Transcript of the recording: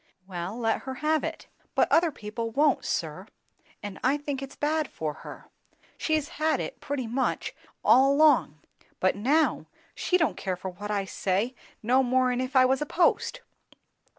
"Wel let her have it." "But other people won't, sir; and I think it's bad for her. She's had it, pretty much, all along; but now she don't care for what I say, no more'n if I was a post!